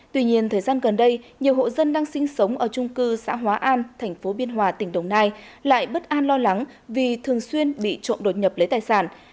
tuy nhiên thời gian gần đây nhiều hộ dân đang sinh sống ở trung cư xã hóa an thành phố biên hòa tỉnh đồng nai lại bất an lo lắng vì thường xuyên bị trộm đột nhập lấy tài sản